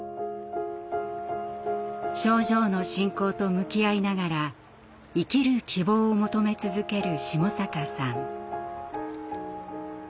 症状の進行と向き合いながら生きる希望を求め続ける下坂さん。